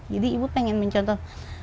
jadi ibu pengen mencontoh